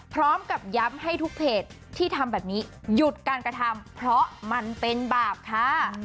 พร้อมกับย้ำให้ทุกเพจที่ทำแบบนี้หยุดการกระทำเพราะมันเป็นบาปค่ะ